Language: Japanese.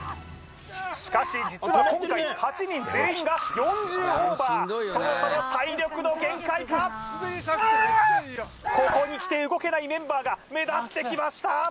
しかし実は今回８人全員が４０オーバーそろそろ体力の限界かここにきて動けないメンバーが目立ってきました！